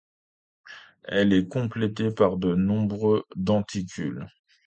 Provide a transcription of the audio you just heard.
Elle est complétée par de nombreux denticules.